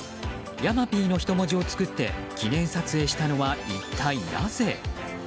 山Ｐの人文字を作って記念撮影したのは一体なぜ。